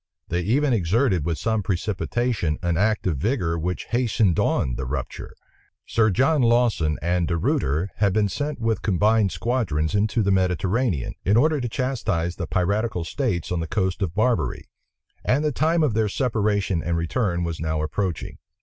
They even exerted, with some precipitation, an act of vigor which hastened on the rupture. Sir John Lawson and De Ruyter had been sent with combined squadrons into the Mediterranean, in order to chastise the piratical states on the coast of Barbary; and the time of their separation and return was now approaching.